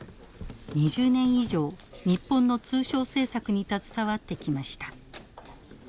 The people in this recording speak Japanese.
２０年以上日本の通商政策に携わってきました。